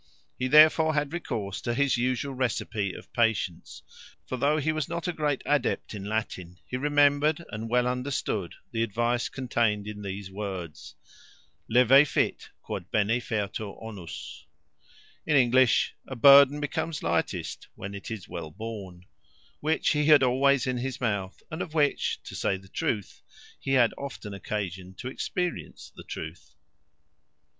He therefore had recourse to his usual receipt of patience, for, though he was not a great adept in Latin, he remembered, and well understood, the advice contained in these words Leve fit quod bene fertur onus in English: A burden becomes lightest when it is well borne which he had always in his mouth; and of which, to say the truth, he had often occasion to experience the truth.